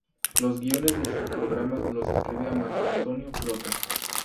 Los guiones de sus programas los escribía Marco Antonio Flota.